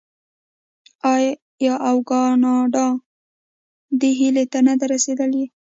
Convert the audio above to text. آیا او کاناډا دې هیلې ته نه ده رسیدلې؟